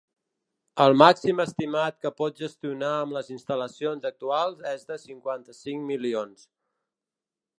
El màxim estimat que pot gestionar amb les instal·lacions actuals és de cinquanta-cinc milions.